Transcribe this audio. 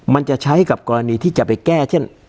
มันจะใช้กับกรณีที่จะไปแก้เช่น